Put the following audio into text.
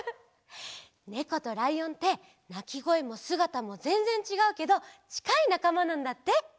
ねことらいおんってなきごえもすがたもぜんぜんちがうけどちかいなかまなんだって。